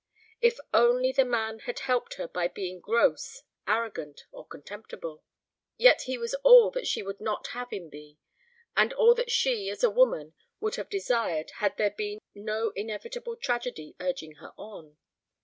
If only the man had helped her by being gross, arrogant, or contemptible! Yet he was all that she would not have him be, and all that she, as a woman, would have desired had there been no inevitable tragedy urging her on.